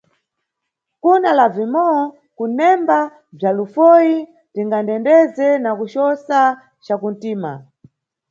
Kuna Lavimó, kunemba bzwa lufoyi tingandendeze na kucosa ca kuntima.